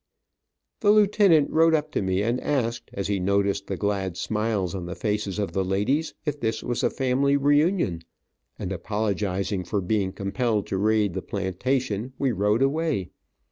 The lieutenant rode up to me and asked, as he noticed the glad smiles on the faces of the ladies, if this was a family reunion, and, apologizing for being compelled to raid the plantation, we rode away.